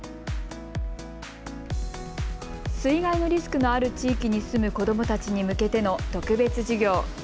水害のリスクのある地域に住む子どもたちに向けての特別授業。